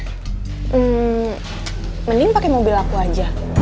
hmm mending pakai mobil aku aja